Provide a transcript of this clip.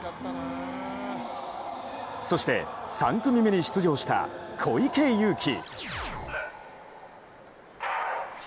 そして、３組目に出場した小池祐貴。